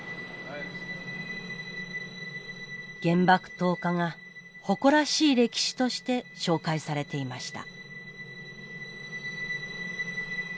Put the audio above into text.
原爆投下が誇らしい歴史として紹介されていました。